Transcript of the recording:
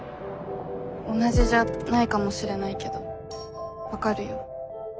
同じじゃないかもしれないけど分かるよ。